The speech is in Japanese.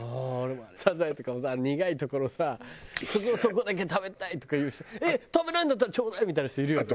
サザエとかもさ苦いところさ「そこだけ食べたい」とか言う人「食べないんだったらちょうだい」みたいな人いるよね。